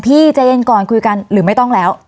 พี่ใจเย็นก่อนคุยกันหรือไม่ต้องแล้ว